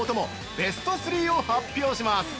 ベスト３を発表します。